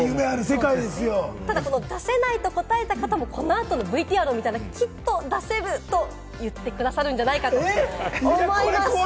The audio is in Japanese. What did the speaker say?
出せないと答えた方もこの後のＶＴＲを見たらきっと出せると言って下さるんじゃないかと思います。